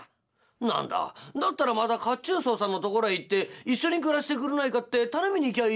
「何だだったらまた褐虫藻さんのところへ行って一緒に暮らしてくれないかって頼みに行きゃいいじゃありませんか」。